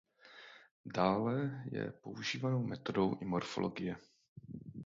Dále je používanou metodou i morfologie.